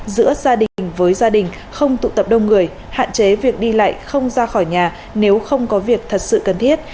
giữa gia đình với gia đình không tụ tập đông người hạn chế việc đi lại không ra khỏi nhà nếu không có việc thật sự cần thiết